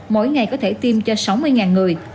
mỗi ngày có thể tiêm cho sáu mươi người